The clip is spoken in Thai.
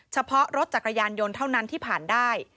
เฉพาะรถจักรยานยนต์เท่านั้นที่ผ่านได้